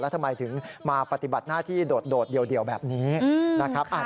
ทำไมถึงมาปฏิบัติหน้าที่โดดเดียวแบบนี้นะครับ